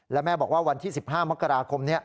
แล้วแม่บอกว่าวันที่๑๕มกราคมนี้